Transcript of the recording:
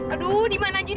aduh dimana aja deh